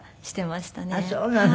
あっそうなの。